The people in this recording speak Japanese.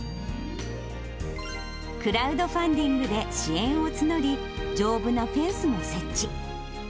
クラウドファンディングで支援を募り、丈夫なフェンスも設置。